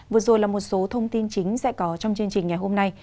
vừa rồi là một số thông tin chính sẽ có trong chương trình ngày hôm nay